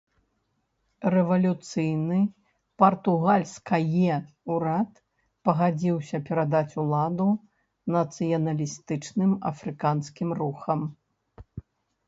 Рэвалюцыйны партугальскае ўрад пагадзіўся перадаць уладу нацыяналістычным афрыканскім рухам.